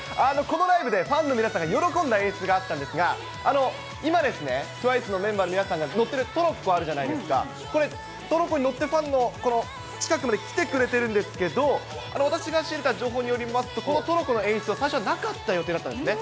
このライブでファンの皆さんが喜んだ演出があったんですが、今ですね、ＴＷＩＣＥのメンバーの皆さんが乗っているトロッコあるじゃないですか、これ、トロッコに乗って、ファンの近くまで来てくれてるんですけど、私が仕入れた情報によりますと、このトロッコの演出は、最初はなかった予定だったんですね。